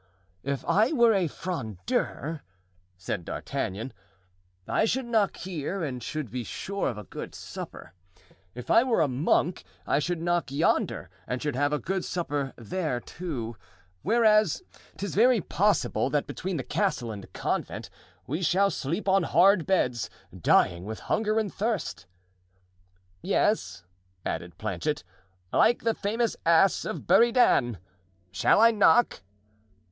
"Hem! If I were a 'Frondeur,'" said D'Artagnan, "I should knock here and should be sure of a good supper. If I were a monk I should knock yonder and should have a good supper there, too; whereas, 'tis very possible that between the castle and the convent we shall sleep on hard beds, dying with hunger and thirst." "Yes," added Planchet, "like the famous ass of Buridan. Shall I knock?"